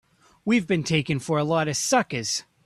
We've been taken for a lot of suckers!